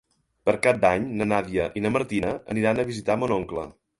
Per Cap d'Any na Nàdia i na Martina aniran a visitar mon oncle.